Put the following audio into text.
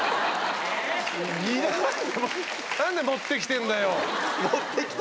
何で持ってきてんだよ。